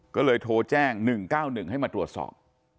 ก็เลยโทรแจ้ง๑๙๑ให้มาตรวจสอบ